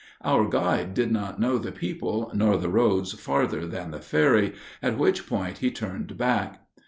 Our guide did not know the people nor the roads farther than the ferry, at which point he turned back.